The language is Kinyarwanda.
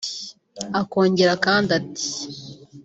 Akongera kandi ati